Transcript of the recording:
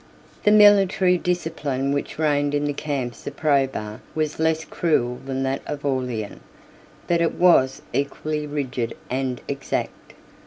] The military discipline which reigned in the camps of Probus was less cruel than that of Aurelian, but it was equally rigid and exact.